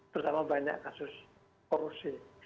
terutama banyak kasus korupsi